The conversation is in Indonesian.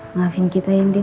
maafin kita ya indin